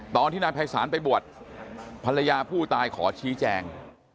ตอนที่นายภัยศาลไปบวชภรรยาผู้ตายขอชี้แจง